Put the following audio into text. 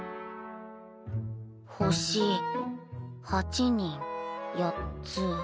星８人８つ